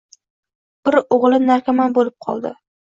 Bir o‘g‘li narkoman bo‘lib qoldi.